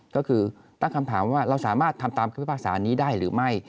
ก็คือตั้งคำถามว่าเราสามารถทำตามคำพิพากษานี้ได้หรือไม่